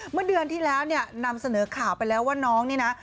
เมื่อเดือนที่แล้วเนี่ยนำเสนอข่าวไปแล้วว่าน้องนี่นะ